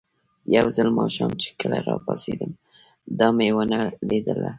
یو ځل ماښام چې کله راپاڅېدم، دا مې ونه لیدله.